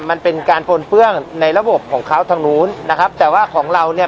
มันเป็นการปนเปื้องในระบบของเขาทางนู้นนะครับแต่ว่าของเราเนี่ย